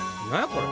これ。